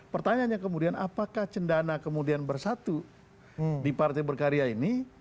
pertanyaannya kemudian apakah cendana kemudian bersatu di partai berkarya ini